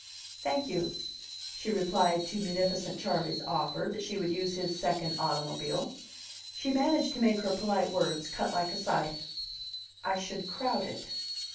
"Thank you," she replied to munificent Charley's offer that she would use his second automobile. She managed to make her polite words cut like a scythe. "I should crowd it."